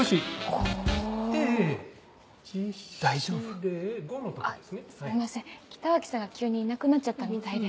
あっすみません北脇さんが急にいなくなっちゃったみたいで。